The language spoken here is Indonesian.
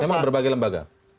memang berbagai lembaga